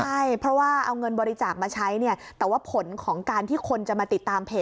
ใช่เพราะว่าเอาเงินบริจาคมาใช้เนี่ยแต่ว่าผลของการที่คนจะมาติดตามเพจ